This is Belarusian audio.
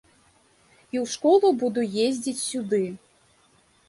І ў школу буду ездзіць сюды.